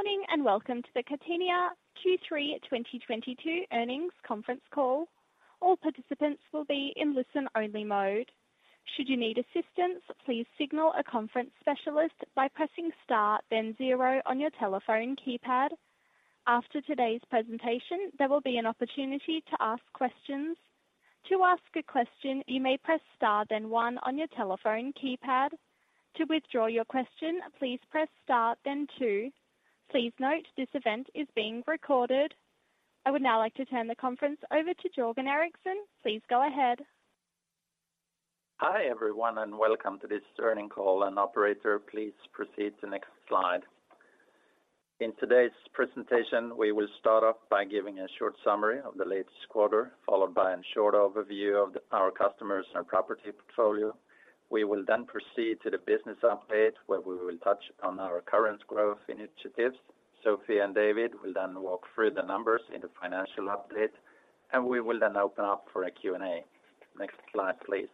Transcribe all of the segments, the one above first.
Good morning and welcome to the Catena Q3 2022 earnings conference call. All participants will be in listen-only mode. Should you need assistance, please signal a conference specialist by pressing Star then zero on your telephone keypad. After today's presentation, there will be an opportunity to ask questions. To ask a question, you may press Star then one on your telephone keypad. To withdraw your question, please press Star then two. Please note this event is being recorded. I would now like to turn the conference over to Jörgen Eriksson. Please go ahead. Hi, everyone, and welcome to this earnings call. Operator, please proceed to next slide. In today's presentation, we will start off by giving a short summary of the latest quarter, followed by a short overview of our customers and our property portfolio. We will then proceed to the business update, where we will touch on our current growth initiatives. Sofie and David will then walk through the numbers in the financial update, and we will then open up for a Q&A. Next slide, please.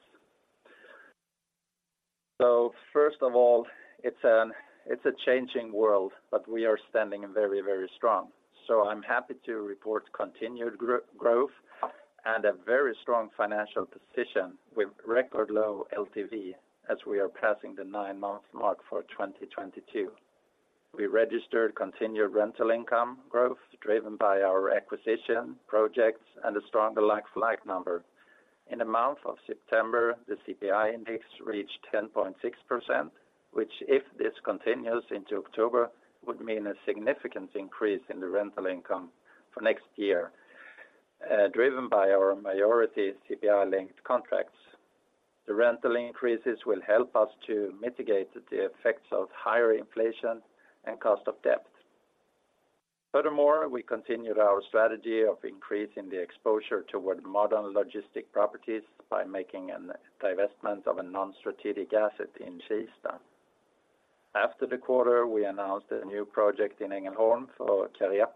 First of all, it's a changing world, but we are standing very, very strong. I'm happy to report continued growth and a very strong financial position with record low LTV as we are passing the nine-month mark for 2022. We registered continued rental income growth driven by our acquisition projects and a stronger like-for-like number. In the month of September, the CPI index reached 10.6%, which, if this continues into October, would mean a significant increase in the rental income for next year, driven by our majority CPI-linked contracts. The rental increases will help us to mitigate the effects of higher inflation and cost of debt. Furthermore, we continued our strategy of increasing the exposure toward modern logistics properties by making a divestment of a non-strategic asset in Kista. After the quarter, we announced a new project in Ängelholm for Carrier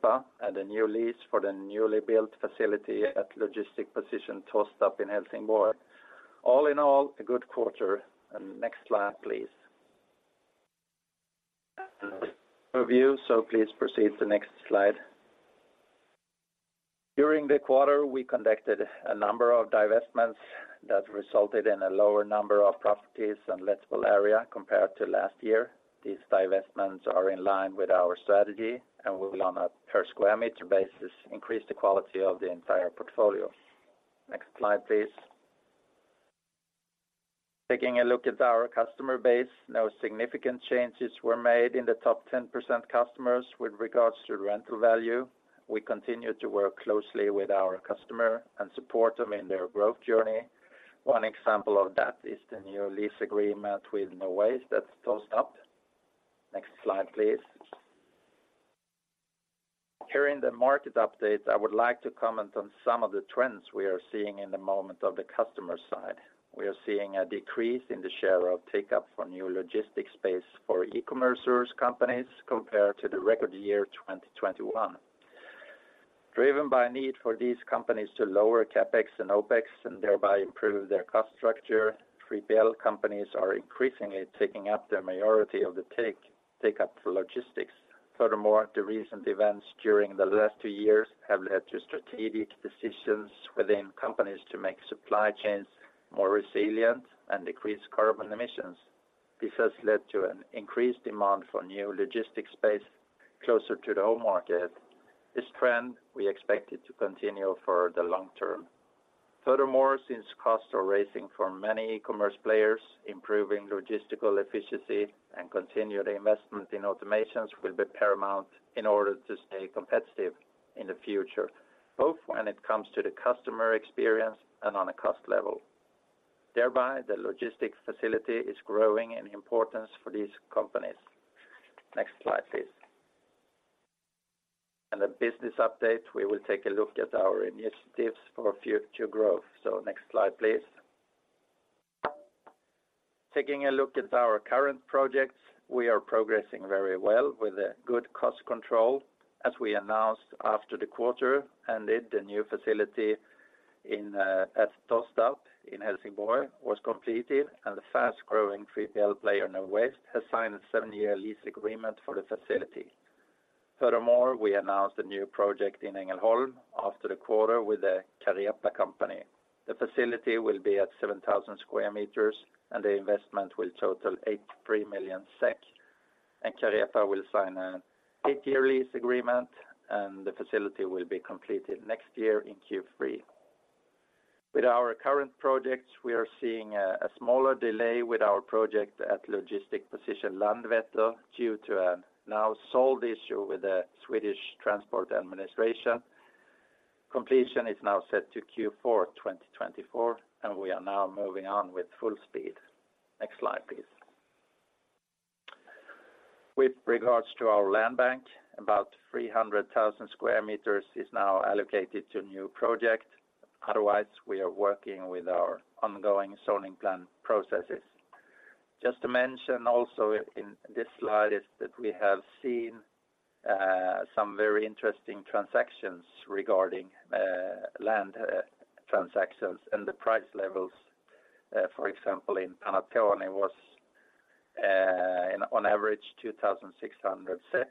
and a new lease for the newly built facility at Logistikposition Tostarp in Helsingborg. All in all, a good quarter. Next slide, please. Overview, so please proceed to the next slide. During the quarter, we conducted a number of divestments that resulted in a lower number of properties and lettable area compared to last year. These divestments are in line with our strategy and will on a per square meter basis increase the quality of the entire portfolio. Next slide, please. Taking a look at our customer base, no significant changes were made in the top 10% customers with regards to rental value. We continue to work closely with our customer and support them in their growth journey. One example of that is the new lease agreement with Nowaste at Tostarp. Next slide, please. Here in the market update, I would like to comment on some of the trends we are seeing at the moment on the customer side. We are seeing a decrease in the share of take up for new logistics space for e-commerce companies compared to the record year 2021. Driven by a need for these companies to lower CapEx and OpEx and thereby improve their cost structure, 3PL companies are increasingly taking up the majority of the take up for logistics. Furthermore, the recent events during the last two years have led to strategic decisions within companies to make supply chains more resilient and decrease carbon emissions. This has led to an increased demand for new logistics space closer to the home market. This trend we expect it to continue for the long term. Furthermore, since costs are rising for many e-commerce players, improving logistical efficiency and continued investment in automations will be paramount in order to stay competitive in the future, both when it comes to the customer experience and on a cost level. Thereby, the logistics facility is growing in importance for these companies. Next slide, please. In the business update, we will take a look at our initiatives for future growth. Next slide, please. Taking a look at our current projects, we are progressing very well with a good cost control. As we announced after the quarter ended, the new facility in at Tostarp in Helsingborg was completed and the fast-growing 3PL player, Nowaste, has signed a seven-year lease agreement for the facility. Furthermore, we announced a new project in Ängelholm after the quarter with the Carrier company. The facility will be at 7,000 square meters and the investment will total 83 million SEK. Carrier will sign an eight-year lease agreement and the facility will be completed next year in Q3. With our current projects, we are seeing a smaller delay with our project at Logistikposition Landvetter due to a now solved issue with the Swedish Transport Administration. Completion is now set to Q4 2024, and we are now moving on with full speed. Next slide, please. With regards to our land bank, about 300,000 square meters is now allocated to a new project. Otherwise, we are working with our ongoing zoning plan processes. Just to mention also in this slide is that we have seen some very interesting transactions regarding land transactions and the price levels. For example, in Panattoni was on average 2,600 SEK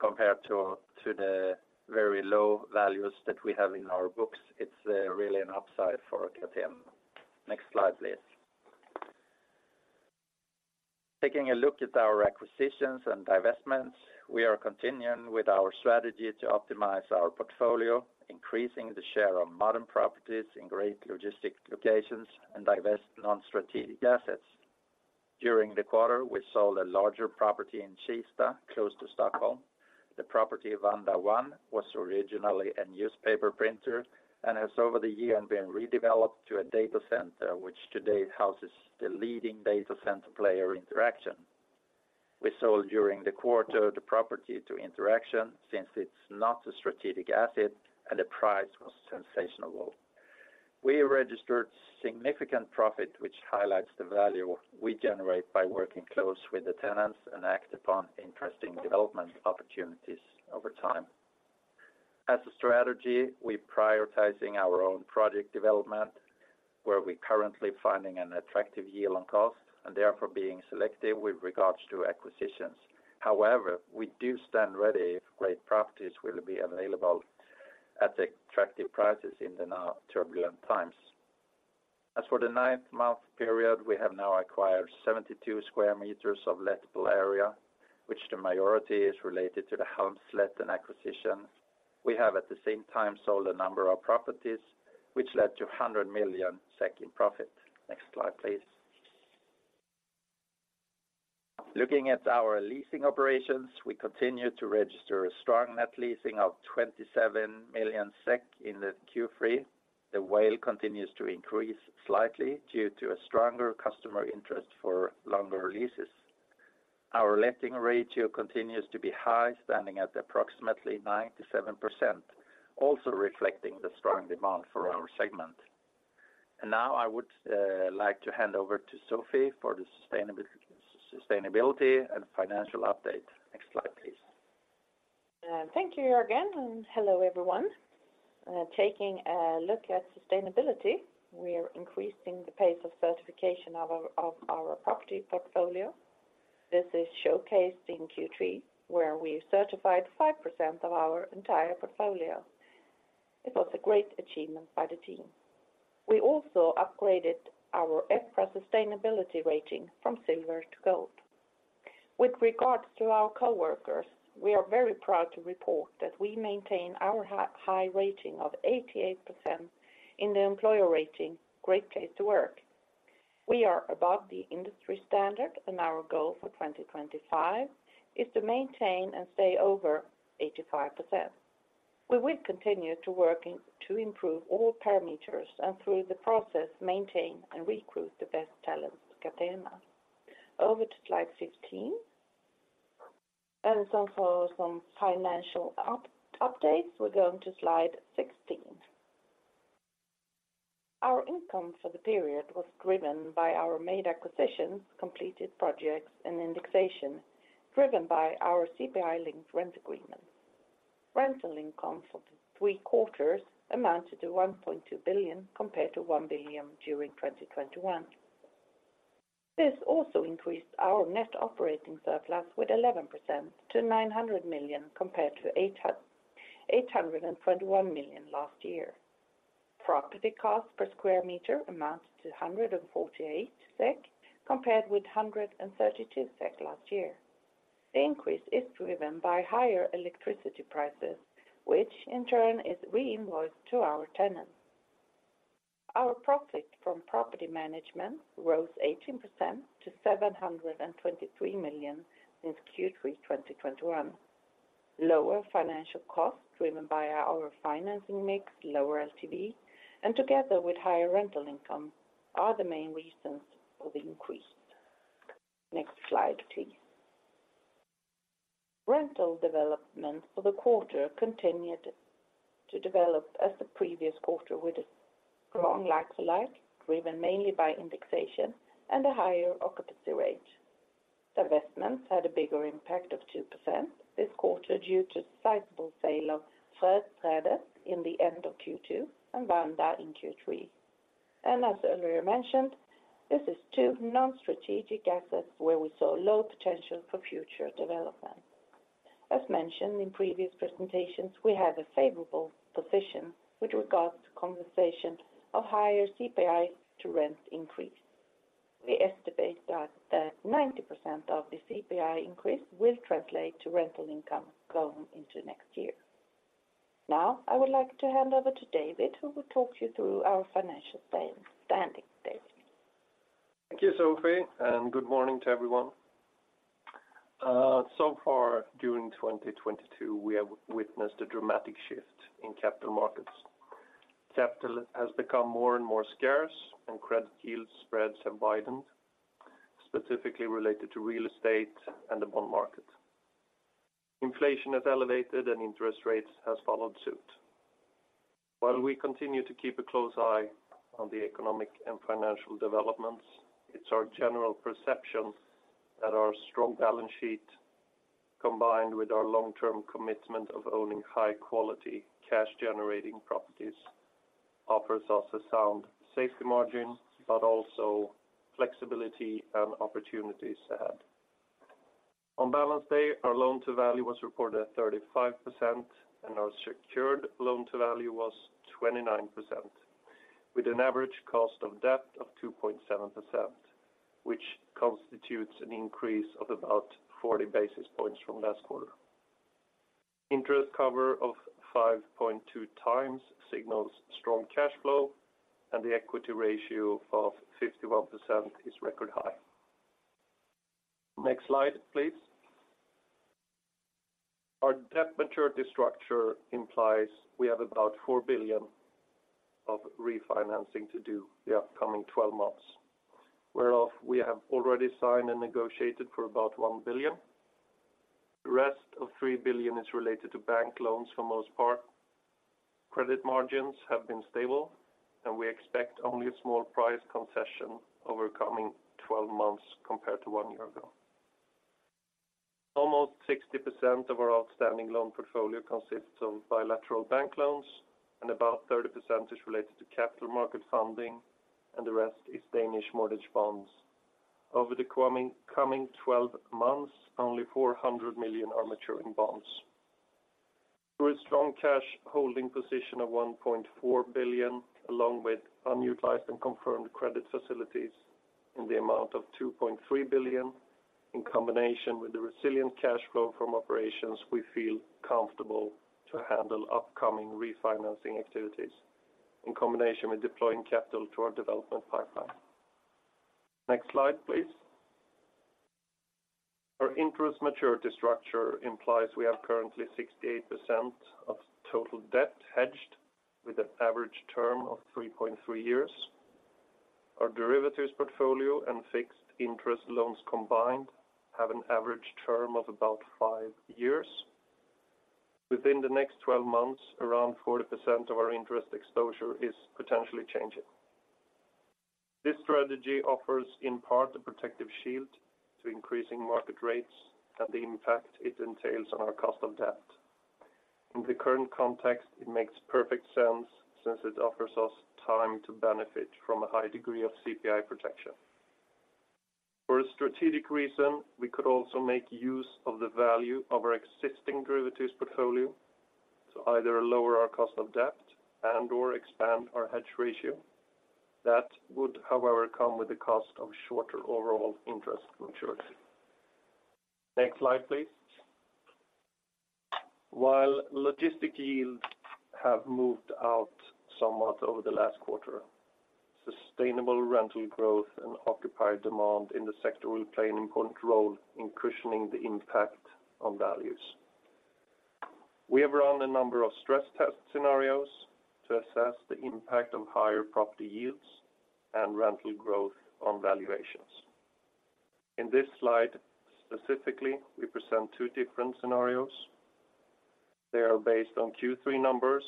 compared to the very low values that we have in our books. It's really an upside for Catena. Next slide, please. Taking a look at our acquisitions and divestments, we are continuing with our strategy to optimize our portfolio, increasing the share of modern properties in great logistic locations and divest non-strategic assets. During the quarter, we sold a larger property in Kista, close to Stockholm. The property, Vanda 1, was originally a newspaper printer, and has over the years been redeveloped to a data center, which today houses the leading data center player, Interxion. We sold during the quarter the property to Interxion since it's not a strategic asset and the price was sensational. We registered significant profit, which highlights the value we generate by working close with the tenants and act upon interesting development opportunities over time. As a strategy, we're prioritizing our own project development, where we're currently finding an attractive yield on cost and therefore being selective with regards to acquisitions. However, we do stand ready if great properties will be available at attractive prices in the now turbulent times. As for the ninth-month period, we have now acquired 72 square meters of lettable area, which the majority is related to the Handslangen acquisition. We have, at the same time, sold a number of properties which led to 100 million SEK in profit. Next slide, please. Looking at our leasing operations, we continue to register a strong net leasing of 27 million SEK in the Q3. The WALE continues to increase slightly due to a stronger customer interest for longer leases. Our letting ratio continues to be high, standing at approximately 97%, also reflecting the strong demand for our segment. Now I would like to hand over to Sofie for the sustainability and financial update. Next slide, please. Thank you, Jörgen, and hello, everyone. Taking a look at sustainability, we are increasing the pace of certification of our property portfolio. This is showcased in Q3, where we certified 5% of our entire portfolio. It was a great achievement by the team. We also upgraded our EPRA sustainability rating from Silver to Gold. With regards to our coworkers, we are very proud to report that we maintain our high rating of 88% in the employer rating, Great Place to Work. We are above the industry standard, and our goal for 2025 is to maintain and stay over 85%. We will continue to work to improve all parameters and, through the process, maintain and recruit the best talent for Catena. Over to slide 15. For some financial updates, we're going to slide 16. Our income for the period was driven by our main acquisitions, completed projects, and indexation, driven by our CPI-linked rent agreement. Rental income for the three quarters amounted to 1.2 billion, compared to 1 billion during 2021. This also increased our net operating surplus with 11% to 900 million, compared to eight hundred and twenty-one million last year. Property cost per square meter amounts to 148 SEK compared with 132 SEK last year. The increase is driven by higher electricity prices, which in turn is reinvoiced to our tenants. Our profit from property management rose 18% to 723 million since Q3 2021. Lower financial costs, driven by our financing mix, lower LTV, and together with higher rental income, are the main reasons for the increase. Next slide, please. Rental development for the quarter continued to develop as the previous quarter with a strong like-for-like, driven mainly by indexation and a higher occupancy rate. Divestments had a bigger impact of 2% this quarter due to sizable sale of Fredsstaden in the end of Q2 and Vanda in Q3. As earlier mentioned, this is two non-strategic assets where we saw low potential for future development. As mentioned in previous presentations, we have a favorable position with regards to conversion of higher CPI to rent increase. We estimate that 90% of the CPI increase will translate to rental income going into next year. Now, I would like to hand over to David, who will talk you through our financial standing. David? Thank you, Sofie, and good morning to everyone. So far during 2022, we have witnessed a dramatic shift in capital markets. Capital has become more and more scarce, and credit yield spreads have widened, specifically related to real estate and the bond market. Inflation has elevated, and interest rates has followed suit. While we continue to keep a close eye on the economic and financial developments, it's our general perception that our strong balance sheet. Combined with our long-term commitment of owning high quality cash generating properties offers us a sound safety margin, but also flexibility and opportunities ahead. On balance day, our loan to value was reported at 35% and our secured loan to value was 29% with an average cost of debt of 2.7%, which constitutes an increase of about 40 basis points from last quarter. Interest cover of 5.2 times signals strong cash flow and the equity ratio of 51% is record high. Next slide, please. Our debt maturity structure implies we have about 4 billion of refinancing to do the upcoming 12 months, whereof we have already signed and negotiated for about 1 billion. The rest of 3 billion is related to bank loans for most part. Credit margins have been stable, and we expect only a small price concession over coming 12 months compared to one year ago. Almost 60% of our outstanding loan portfolio consists of bilateral bank loans, and about 30% is related to capital market funding, and the rest is Danish mortgage bonds. Over the coming 12 months, only 400 million are maturing bonds. Through a strong cash holding position of 1.4 billion, along with unutilized and confirmed credit facilities in the amount of 2.3 billion, in combination with the resilient cash flow from operations, we feel comfortable to handle upcoming refinancing activities in combination with deploying capital to our development pipeline. Next slide, please. Our interest maturity structure implies we have currently 68% of total debt hedged with an average term of 3.3 years. Our derivatives portfolio and fixed interest loans combined have an average term of about five years. Within the next 12 months, around 40% of our interest exposure is potentially changing. This strategy offers, in part, a protective shield to increasing market rates and the impact it entails on our cost of debt. In the current context, it makes perfect sense since it offers us time to benefit from a high degree of CPI protection. For a strategic reason, we could also make use of the value of our existing derivatives portfolio to either lower our cost of debt and/or expand our hedge ratio. That would, however, come with the cost of shorter overall interest maturity. Next slide, please. While logistics yields have moved out somewhat over the last quarter, sustainable rental growth and occupier demand in the sector will play an important role in cushioning the impact on values. We have run a number of stress test scenarios to assess the impact of higher property yields and rental growth on valuations. In this slide specifically, we present two different scenarios. They are based on Q3 numbers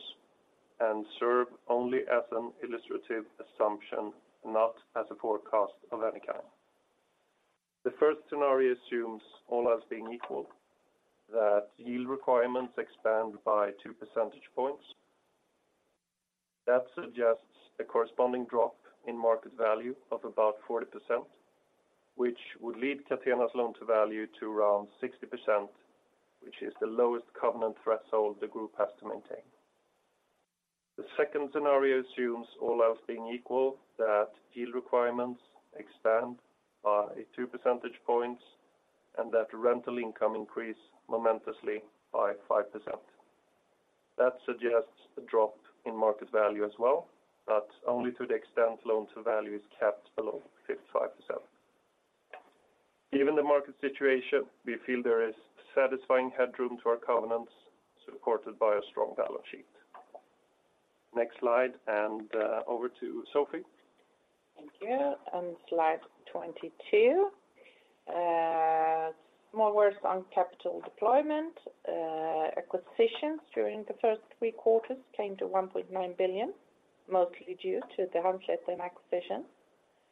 and serve only as an illustrative assumption, not as a forecast of any kind. The first scenario assumes all else being equal, that yield requirements expand by 2% points. That suggests a corresponding drop in market value of about 40%, which would lead Catena's loan to value to around 60%, which is the lowest covenant threshold the group has to maintain. The second scenario assumes all else being equal, that yield requirements expand by 2% points and that rental income increase permanently by 5%. That suggests a drop in market value as well, but only to the extent loan to value is capped below 55%. Given the market situation, we feel there is satisfying headroom to our covenants supported by a strong balance sheet. Next slide, and over to Sofie. Thank you, slide 22. Some more words on capital deployment. Acquisitions during the first three quarters came to 1.9 billion, mostly due to the Handslangen acquisition.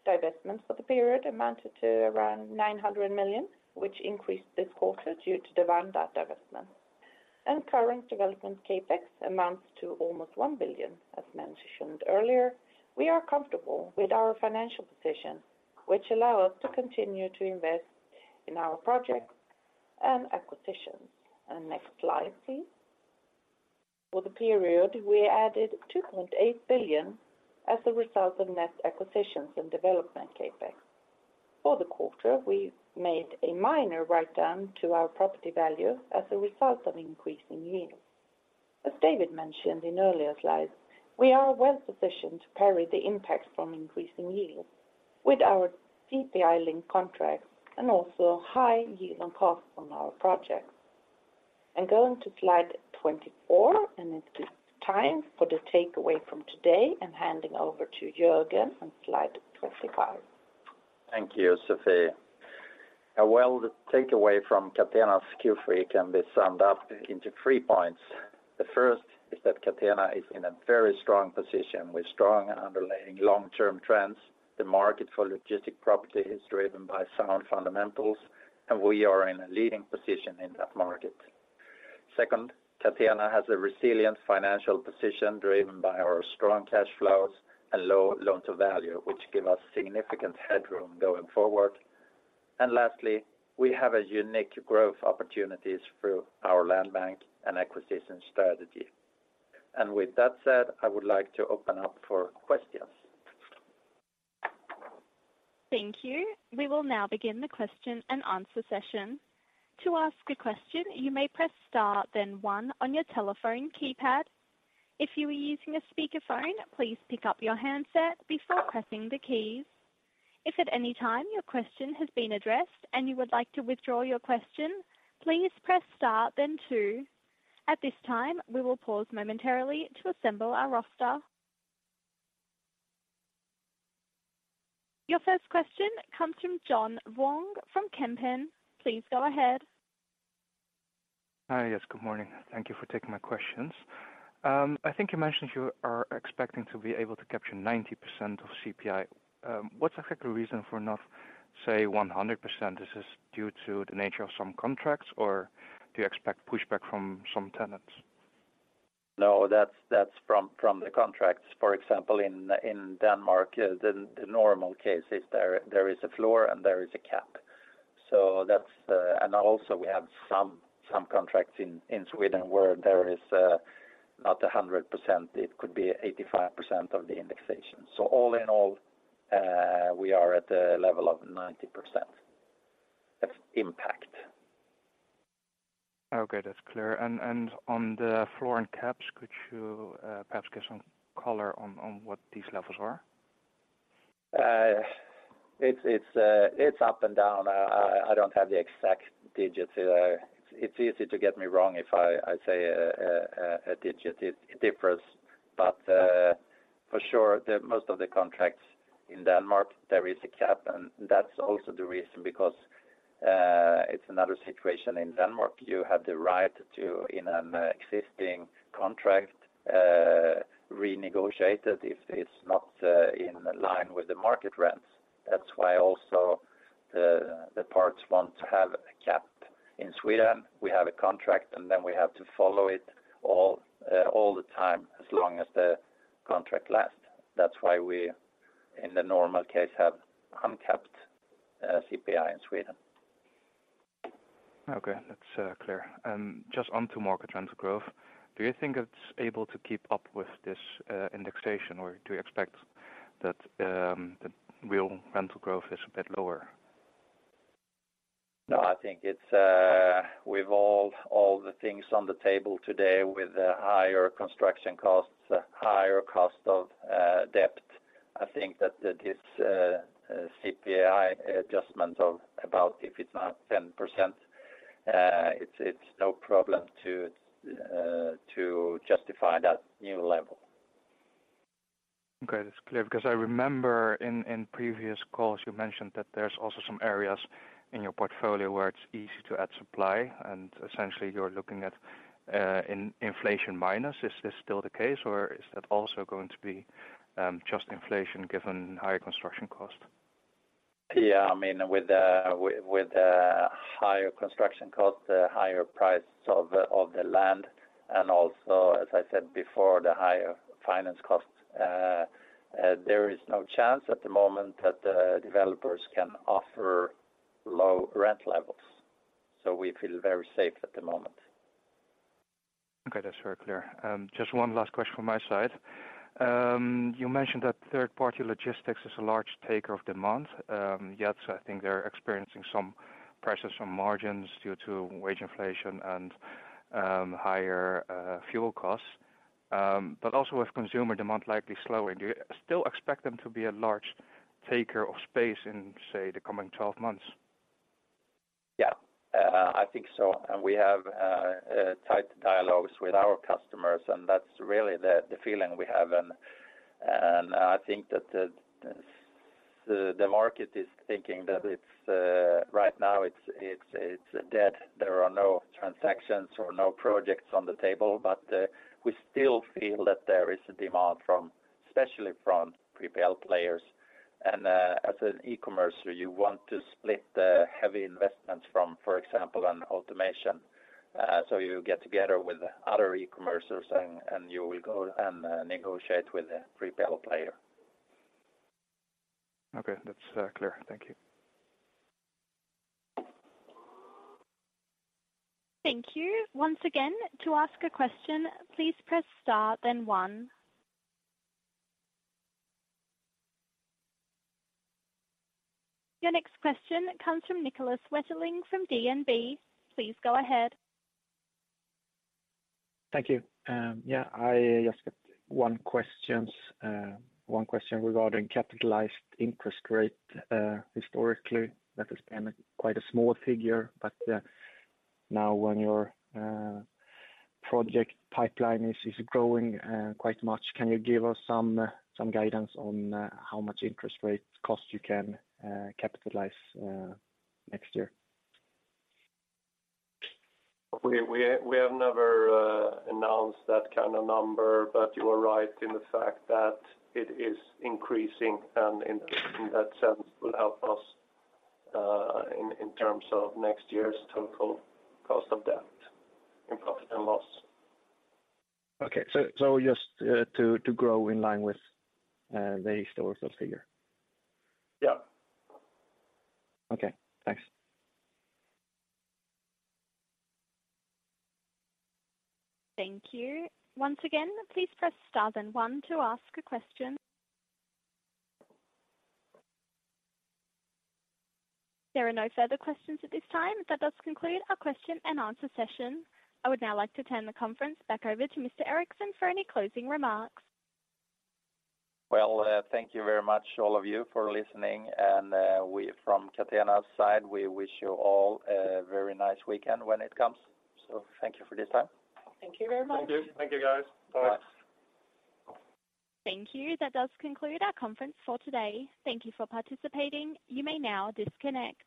Divestments for the period amounted to around 900 million, which increased this quarter due to the Vanda divestment. Current development CapEx amounts to almost 1 billion, as mentioned earlier. We are comfortable with our financial position, which allow us to continue to invest in our projects and acquisitions. Next slide, please. For the period, we added 2.8 billion as a result of net acquisitions and development CapEx. For the quarter, we made a minor write-down to our property value as a result of increasing yields. As David mentioned in earlier slides, we are well positioned to parry the impact from increasing yields with our CPI-linked contracts and also high yield on cost on our projects. Going to slide 24, and it is time for the takeaway from today. I'm handing over to Jörgen on slide 25. Thank you, Sofie. Well, the takeaway from Catena's Q3 can be summed up into three points. The first is that Catena is in a very strong position with strong underlying long-term trends. The market for logistics property is driven by sound fundamentals, and we are in a leading position in that market. Second, Catena has a resilient financial position driven by our strong cash flows and low loan to value, which give us significant headroom going forward. Lastly, we have a unique growth opportunities through our land bank and acquisition strategy. With that said, I would like to open up for questions. Thank you. We will now begin the question-and-answer session. To ask a question, you may press Star, then one on your telephone keypad. If you are using a speakerphone, please pick up your handset before pressing the keys. If at any time your question has been addressed and you would like to withdraw your question, please press Star then two. At this time, we will pause momentarily to assemble our roster. Your first question comes from John Wong from Kempen. Please go ahead. Hi. Yes, good morning. Thank you for taking my questions. I think you mentioned you are expecting to be able to capture 90% of CPI. What's the actual reason for not, say, 100%? Is this due to the nature of some contracts, or do you expect pushback from some tenants? No, that's from the contracts. For example, in Denmark, the normal case is there is a floor and there is a cap. That's. Also we have some contracts in Sweden where there is not 100%, it could be 85% of the indexation. All in all, we are at the level of 90% of impact. Okay, that's clear. On the floor and caps, could you perhaps give some color on what these levels are? It's up and down. I don't have the exact digits. It's easy to get it wrong if I say a digit. It differs. For sure, most of the contracts in Denmark, there is a cap, and that's also the reason because it's another situation in Denmark. You have the right to, in an existing contract, renegotiate it if it's not in line with the market rents. That's why also the parties want to have a cap. In Sweden, we have a contract, and then we have to follow it all the time as long as the contract lasts. That's why we, in the normal case, have uncapped CPI in Sweden. Okay, that's clear. Just onto market rental growth. Do you think it's able to keep up with this indexation, or do you expect that the real rental growth is a bit lower? No, I think it's with all the things on the table today with the higher construction costs, higher cost of debt, I think that this CPI adjustment of about, if it's not 10%, it's no problem to justify that new level. Okay, that's clear. Because I remember in previous calls, you mentioned that there's also some areas in your portfolio where it's easy to add supply, and essentially you're looking at inflation minus. Is this still the case, or is that also going to be just inflation given higher construction cost? I mean, with the higher construction cost, the higher price of the land and also, as I said before, the higher finance costs, there is no chance at the moment that the developers can offer low rent levels. We feel very safe at the moment. Okay, that's very clear. Just one last question from my side. You mentioned that third-party logistics is a large taker of demand. I think they're experiencing some pressures from margins due to wage inflation and higher fuel costs. Also with consumer demand likely slowing, do you still expect them to be a large taker of space in, say, the coming 12 months? Yeah, I think so. We have tight dialogues with our customers, and that's really the feeling we have. I think that the market is thinking that it's right now it's dead. There are no transactions or no projects on the table. We still feel that there is a demand from, especially from 3PL players. As an e-commerce, you want to split the heavy investments from, for example, an automation. You get together with other e-commercers and you will go and negotiate with a 3PL player. Okay, that's clear. Thank you. Thank you. Once again, to ask a question, please press star, then one. Your next question comes from Niclas Wetterling from DNB. Please go ahead. Thank you. Yeah, I just got one question regarding capitalized interest rate. Historically, that has been quite a small figure, but now when your project pipeline is growing quite much, can you give us some guidance on how much interest rate cost you can capitalize next year? We have never announced that kind of number, but you are right in the fact that it is increasing and in that sense will help us in terms of next year's total cost of debt in profit and loss. Okay. Just to grow in line with the historical figure? Yeah. Okay, thanks. Thank you. Once again, please press Star then one to ask a question. There are no further questions at this time. That does conclude our question-and-answer session. I would now like to turn the conference back over to Mr. Eriksson for any closing remarks. Well, thank you very much all of you for listening, and we from Catena's side, we wish you all a very nice weekend when it comes. Thank you for this time. Thank you very much. Thank you. Thank you, guys. Bye. Thank you. That does conclude our conference for today. Thank you for participating. You may now disconnect.